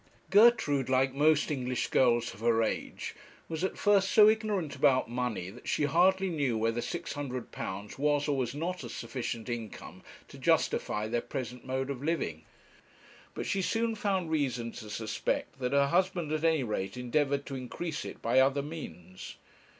Gertrude, like most English girls of her age, was at first so ignorant about money that she hardly knew whether £600 was or was not a sufficient income to justify their present mode of living; but she soon found reason to suspect that her husband at any rate endeavoured to increase it by other means.